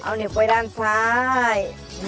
เอาเหล็กไปด้านซ้าย